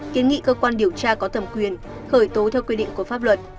kiến nghị cơ quan điều tra có thẩm quyền khởi tố theo quy định của pháp luật